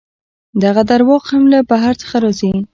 دغه درواغ هم له بهر څخه راځي.